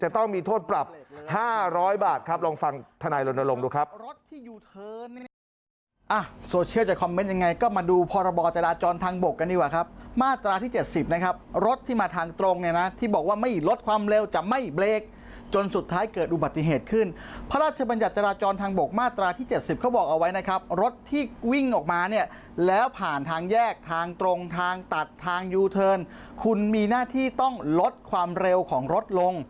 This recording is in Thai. ต้องมีโทษปรับ๕๐๐บาทครับลองฟังธนายรณรงค์ดูครับ